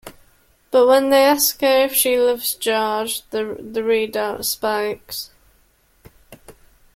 But when they ask her if she loves George, the readout spikes.